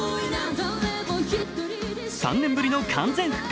３年ぶりの完全復活。